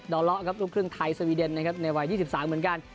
ด่อเลาะรูปเครื่องไทยสวีเดนในวัย๒๓เหมือนกัน